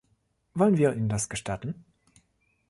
Wollen wir ihnen das gestatten?